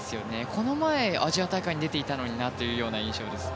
この前、アジア大会に出ていたのになという印象です。